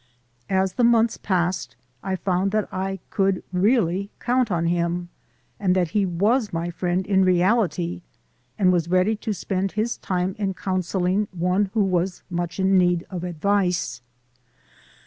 As the months passed I found that I could really count on him; that he was my friend in reality, and was ready to spend his time in counselling one who was much in need of advice.